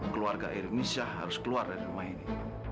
keluarga irmisyah harus keluar dari rumah ini